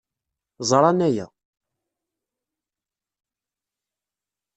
Ẓran aya.